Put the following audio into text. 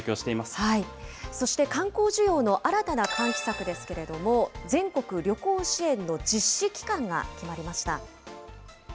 そして観光需要の新たな喚起策ですけれども、全国旅行支援の実施期間が決まりました。